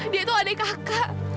dia tuh adik kakak